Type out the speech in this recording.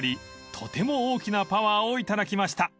とても大きなパワーを頂きました］